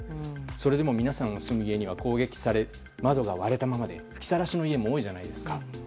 それでも皆さんが住む家は攻撃されて窓が割れたままで吹きさらしの家も多いじゃないですか。